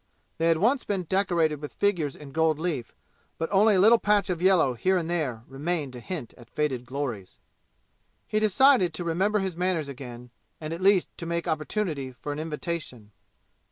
They had once been decorated with figures in gold leaf, but only a little patch of yellow here and there remained to hint at faded glories. He decided to remember his manners again, and at least to make opportunity for an invitation.